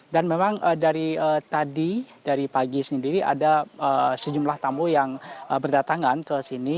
memang dari tadi dari pagi sendiri ada sejumlah tamu yang berdatangan ke sini